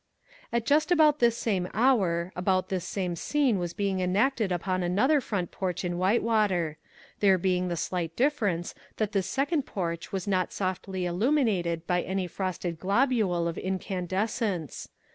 At just about this same hour just about this same scene was being enacted upon another front porch in Whitewater there being the slight difference that this second porch was not softly illuminated by any frosted globule of incandescence.